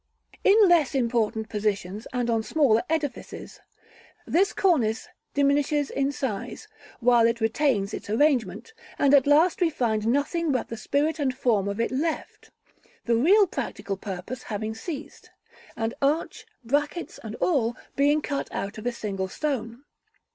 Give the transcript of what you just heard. In less important positions and on smaller edifices, this cornice diminishes in size, while it retains its arrangement, and at last we find nothing but the spirit and form of it left; the real practical purpose having ceased, and arch, brackets and all, being cut out of a single stone.